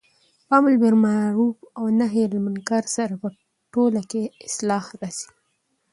په امرباالمعرف او نهي عن المنکر سره په ټوله کي اصلاح راځي